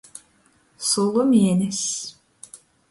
Sulu mieness.